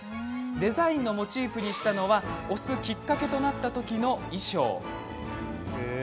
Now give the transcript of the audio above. デザインのモチーフにしたのは推すきっかけとなった時の衣装。